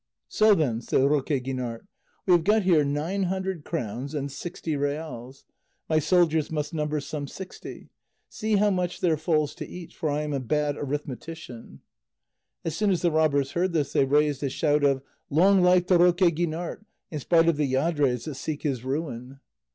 "So then," said Roque Guinart, "we have got here nine hundred crowns and sixty reals; my soldiers must number some sixty; see how much there falls to each, for I am a bad arithmetician." As soon as the robbers heard this they raised a shout of "Long life to Roque Guinart, in spite of the lladres that seek his ruin!"